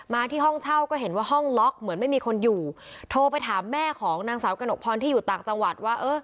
ที่ห้องเช่าก็เห็นว่าห้องล็อกเหมือนไม่มีคนอยู่โทรไปถามแม่ของนางสาวกระหนกพรที่อยู่ต่างจังหวัดว่าเออ